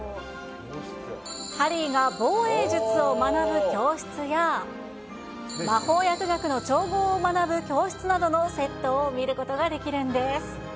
ハリーが防衛術を学ぶ教室や、魔法薬学の調合を学ぶ教室などのセットを見ることができるんです。